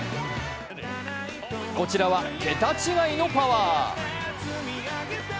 こちらは桁違いのパワー。